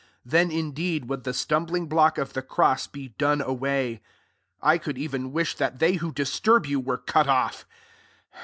then indeed would the stumbling block of the cross be done away. 12 I could even wish that they who disturb you were cut off.